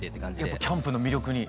やっぱキャンプの魅力に。